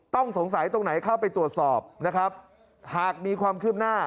ต้องสงสัยตรงไหนเข้าไปตรวจสอบนะครับหากมีความคืบหน้า